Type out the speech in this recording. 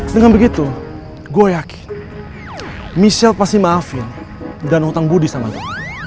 dengan begitu gue yakin michelle pasti maafin dan utang budi sama gue